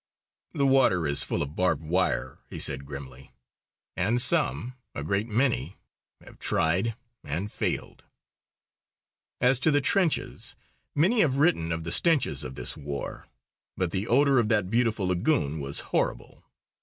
"The water is full of barbed wire," he said grimly. "And some, a great many, have tried and failed." As of the trenches, many have written of the stenches of this war. But the odour of that beautiful lagoon was horrible.